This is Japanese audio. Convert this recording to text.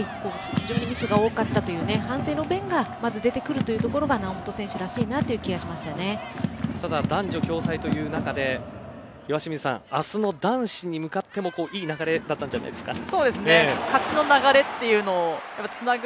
非常にミスが多かったという反省の面がまず出てくるというところが猶本選手らしいという気がただ男女共催という中で岩清水さん明日の男子に向かってもいい流れだったんじゃないですか。